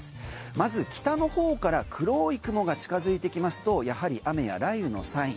まず北のほうから黒い雲が近付いてきますとやはり雨や雷雨のサイン。